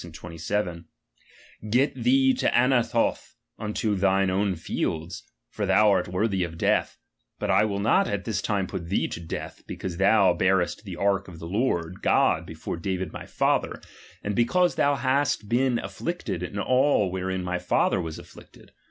26, 27) : Get thee to Anathoth unto thine own fields ;for thou art worthy of death ; hut v Iwill not at this time put thee to death, because^' ihou barest the ark of the Lord God before David viy father, mid because thou hast been af Jiicted in all wherein viy father was afflicted.